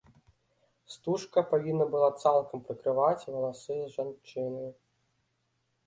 Стужка павінна была цалкам прыкрываць валасы жанчыны.